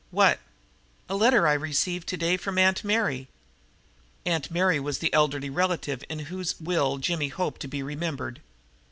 "What?" "A letter I received today from Aunt Mary." Aunt Mary was the elderly relative in whose will Jimmy hoped to be remembered.